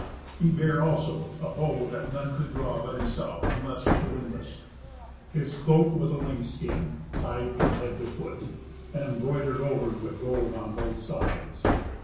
He bare, also, a bow that none could draw but himself, unless with a windlass. His cloak was a lynx skin, pied from head to foot, and embroidered over with gold on both sides.